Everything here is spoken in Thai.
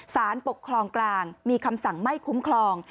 สารปกครองกลางมีคำสั่งไม่คุ้มครอง